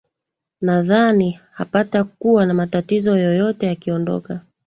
nadhani hapatakuwa na matatizo yoyote akiondoka